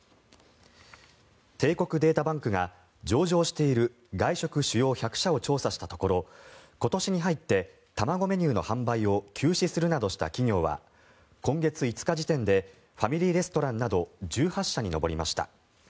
帝国データバンクが上場している外食主要１００社を調査したところ今年に入って卵メニューの販売を休止するなどした企業は今月５日時点でファミリーレストランなど１８社に上りました。